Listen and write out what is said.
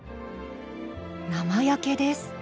生焼けです。